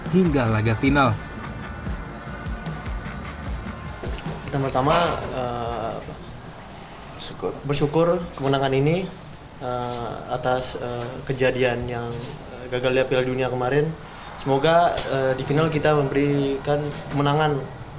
semoga di final kita memberikan kemenangan